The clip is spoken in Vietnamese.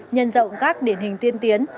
nhân rộng các điển hình tiên tiến